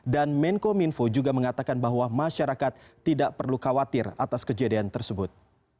dan menko minfo juga mengatakan bahwa masyarakat tidak perlu khawatir atas kejadian tersebut